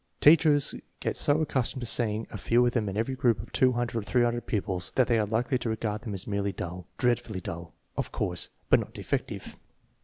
Teachers get so ac customed to seeing a few of them in every group of 00 or 300 pupils that they are likely to regard them as merely dull, " dreadfully dull," of course, but not defective.